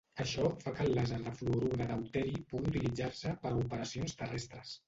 Això fa que el làser de fluorur de deuteri pugui utilitzar-se per a operacions terrestres.